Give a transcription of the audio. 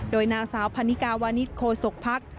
โดยนางสาวพันนิกาวานิสโคศกภักดิ์